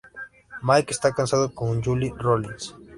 Mike está casado con Julie Rollins.